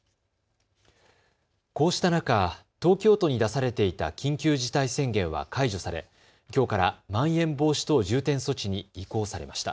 こうした中、東京都に出されていた緊急事態宣言は解除されきょうからまん延防止等重点措置に移行されました。